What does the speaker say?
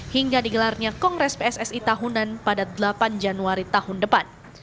hingga digelarnya kongres pssi tahunan pada delapan januari tahun depan